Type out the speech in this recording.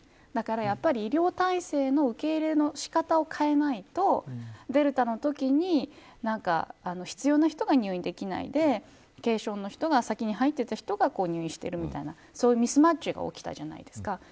だからやっぱり、医療体制の受け入れの仕方を変えないとデルタのときに必要な人が入院できないで軽症の人が、先に入っていた人が入院しているみたいなそういうミスマッチが起きたじゃないですか。